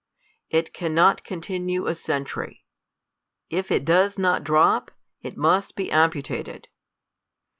It cannot con tinue a century. If it does not drop, it must be ampu tated.